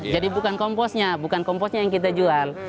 jadi bukan komposnya yang kita jual